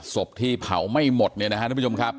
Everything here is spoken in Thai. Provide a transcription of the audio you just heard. ศพที่เผาไม่หมดเนี่ยนะครับทุกผู้ชมครับ